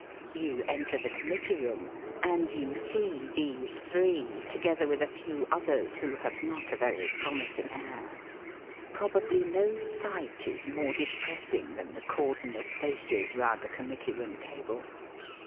You enter the Committee room, and you see these three, together with a few others who have not a very promising air. (Probably no sight is more depressing than the cordon of faces round a Com mittee room table.